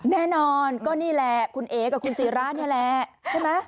แน่นอนก็นี่แหละคุณเอ๊กับคุณสีราร์นิแหละ